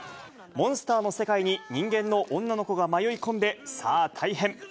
モンスターの世界に人間の女の子が迷い込んで、さあ大変！